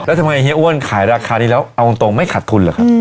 แล้วทำไมเฮียอ้วนขายราคานี้แล้วเอาตรงไม่ขัดทุนเหรอครับ